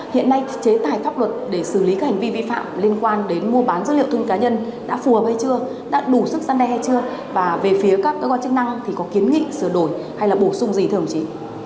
hiện nay chế tài pháp luật để xử lý hành vi vi phạm liên quan đến mô bán dữ liệu thông cá nhân đã phù hợp hay chưa đã đủ sức săn đe hay chưa và về phía các cơ quan chức năng thì có kiến nghị sửa đổi hay là bổ sung gì thường chí